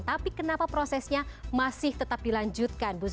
tapi kenapa prosesnya masih tetap dilanjutkan bu suzy